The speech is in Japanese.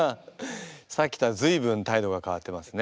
さっきとは随分態度が変わってますね。